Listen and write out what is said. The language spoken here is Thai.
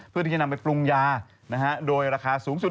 เพื่อที่จะนำไปปรุงยาโดยราคาสูงสุด